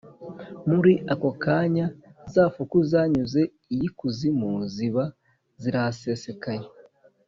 muri ako kanya, za fuku zanyuze iy'ikuzimu ziba zirahasesekaye